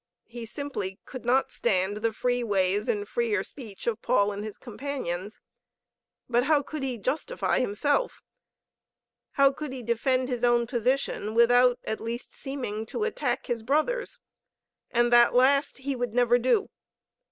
He simply could not stand the free ways and freer speech of Paul and his companions. But how could he justify himself? How could he defend his own position without at least seeming to attack his brother's? And that last he would never do.